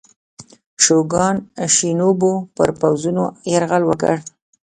شوګان شینوبو پر پوځونو یرغل وکړ.